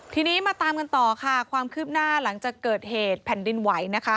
ทีนี้มาตามกันต่อค่ะความคืบหน้าหลังจากเกิดเหตุแผ่นดินไหวนะคะ